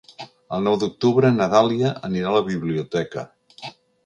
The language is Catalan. El nou d'octubre na Dàlia anirà a la biblioteca.